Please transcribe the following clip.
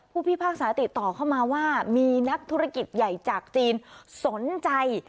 พิพากษาติดต่อเข้ามาว่ามีนักธุรกิจใหญ่จากจีนสนใจ